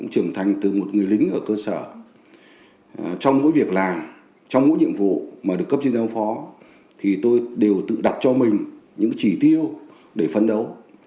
trưởng thành từ một người lính ở cơ sở trong mỗi việc làm trong mỗi nhiệm vụ mà được cấp trên giám phó thì tôi đều tự đặt cho mình những chỉ tiêu để phấn đấu